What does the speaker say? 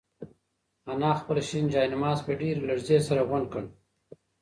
انا خپل شین جاینماز په ډېرې لړزې سره غونډ کړ.